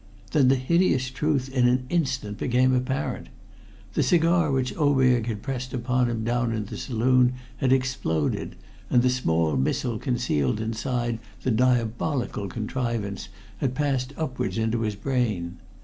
Then the hideous truth in an instant became apparent. The cigar which Oberg had pressed upon him down in the saloon had exploded, and the small missile concealed inside the diabolical contrivance had passed upwards into his brain.